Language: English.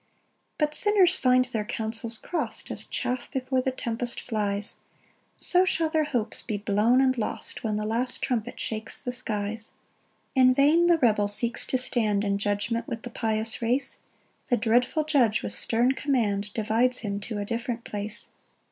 4 But sinners find their counsels crost; As chaff before the tempest flies, So shall their hopes be blown and lost, When the last trumpet shakes the skies. 5 In vain the rebel seeks to stand In judgment with the pious race; The dreadful Judge with stern command Divides him to a different place.